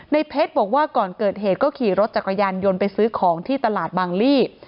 เพชรบอกว่าก่อนเกิดเหตุก็ขี่รถจักรยานยนต์ไปซื้อของที่ตลาดบางลี่